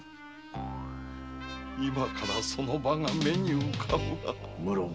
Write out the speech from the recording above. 今からその場が目に浮かぶが。